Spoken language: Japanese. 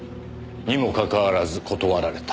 にもかかわらず断られた。